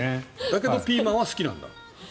だけどピーマンは好きなんだ？